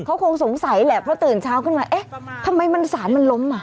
เขาคงสงสัยแหละเพราะตื่นเช้าขึ้นมาเอ๊ะทำไมมันสารมันล้มอ่ะ